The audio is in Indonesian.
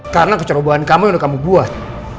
karena kecerobohan kamu yang udah kamu buat